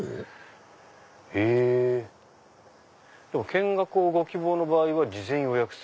「見学をご希望の場合は事前予約制」。